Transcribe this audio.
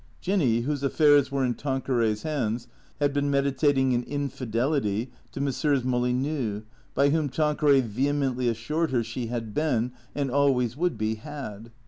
Jinny, whose affairs were in Tanqueray's hands, had been meditating an infi delity to Messrs. Molyneux, by whom Tanqueray vehemently as sured her she had been, and always would be, "had."